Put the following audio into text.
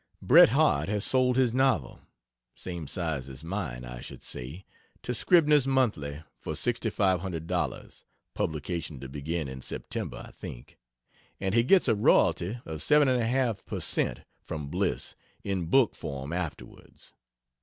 Bret Harte has sold his novel (same size as mine, I should say) to Scribner's Monthly for $6,500 (publication to begin in September, I think,) and he gets a royalty of 7 1/2 per cent from Bliss in book form afterwards.